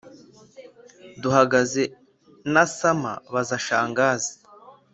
duhagaze nasamaBaza Shangazi